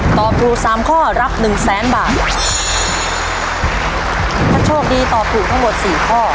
ตอบถูกสามข้อรับหนึ่งแสนบาทถ้าโชคดีตอบถูกทั้งหมดสี่ข้อ